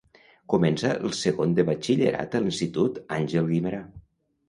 Comença el segon de Batxillerat a l'Institut Àngel Guimerà.